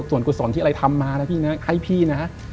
ส่วนกุศลที่อะไรทำมานะพี่นะให้พี่นะ